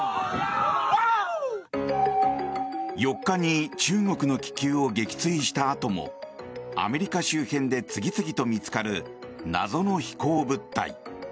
４日に中国の気球を撃墜したあともアメリカ周辺で次々と見つかる謎の飛行物体。